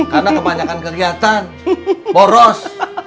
karena kebanyakan kegiatan boros